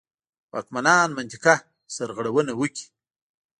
واکمنان منطقه سرغړونه وکړي.